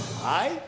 はい。